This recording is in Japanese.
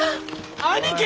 兄貴！